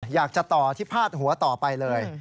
อยากจะต่อที่พาดหัวต่อไปเลย